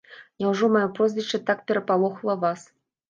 Няўжо маё прозвішча так перапалохала вас?